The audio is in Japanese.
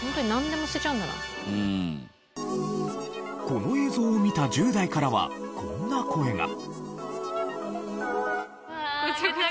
この映像を見た１０代からはこんな声が。